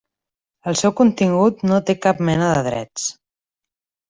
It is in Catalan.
El seu contingut no té cap mena de drets.